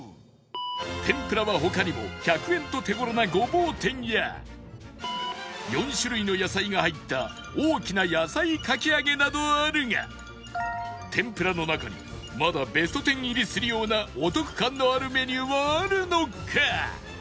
天ぷらは他にも１００円と手頃なごぼう天や４種類の野菜が入った大きな野菜かき揚げなどあるが天ぷらの中にまだベスト１０入りするようなお得感のあるメニューはあるのか？